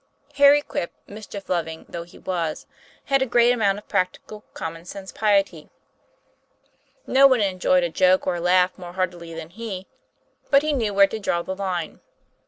Harry Quip, mischief loving though he was, had a great amount of practical, common sense piety. No one enjoyed a joke or a laugh more heartily than he, but he knew where to draw the line.